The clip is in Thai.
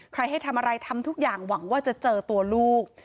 ให้ทำอะไรทำทุกอย่างหวังว่าจะเจอตัวลูก